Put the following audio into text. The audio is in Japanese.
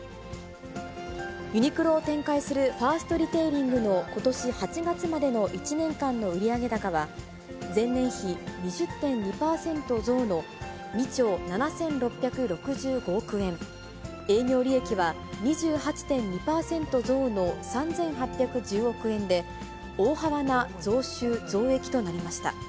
ユニクロを展開するファーストリテイリングのことし８月までの１年間の売上高は、前年比２０．２％増の２兆７６６５億円、営業利益は、２８．２％増の３８１０億円で、大幅な増収増益となりました。